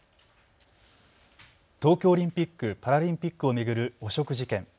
東京オリンピック・パラリンピックを巡る汚職事件。